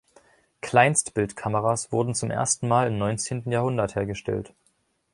Kleinstbildkameras wurden zum ersten Mal im neunzehnten Jahrhundert hergestellt.